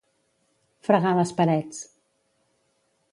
Fregar les parets.